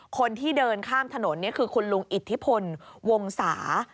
คนที่เดินข้ามถนนคือคุณลุงอิทธิพลวงศา